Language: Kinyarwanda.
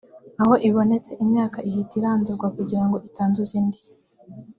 aho ibonetse imyaka ihita irandurwa kugira ngo itanduza indi